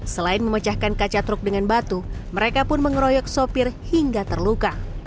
selain memecahkan kaca truk dengan batu mereka pun mengeroyok sopir hingga terluka